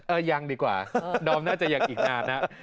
เออยังดีกว่าดอมน่าจะอยากอีกนานนะ